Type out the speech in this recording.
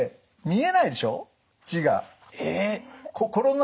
え。